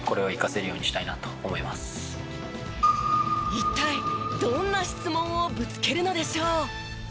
一体どんな質問をぶつけるのでしょう？